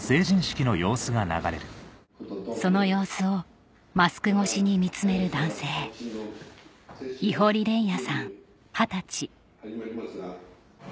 その様子をマスク越しに見つめる男性ママ。